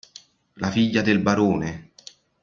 La figlia del barone?